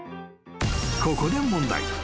［ここで問題］